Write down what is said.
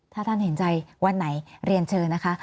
ถ้าท่านเห็นใจวันไหนเรียนเชิญนะคะ